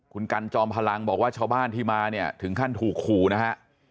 คุณกันจอมพลังบอกว่าชาวบ้านที่มาเนี่ยถึงขั้นถูกขู่นะฮะ